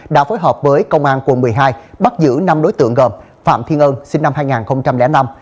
đã phối hợp với công an quận một mươi hai bắt giữ năm đối tượng gồm phạm thiên ân sinh năm hai nghìn năm